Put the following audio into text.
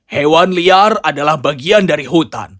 hewan liar adalah bagian dari hutan